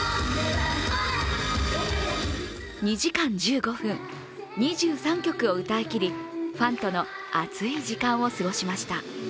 ２時間１５分、２３曲を歌いきり、ファンとの熱い時間を過ごしました。